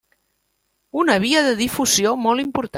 Una via de difusió molt important.